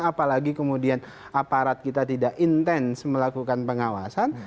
apalagi kemudian aparat kita tidak intens melakukan pengawasan